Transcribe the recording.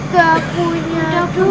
gak punya duit